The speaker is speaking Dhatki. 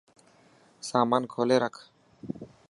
سامان کولي رک.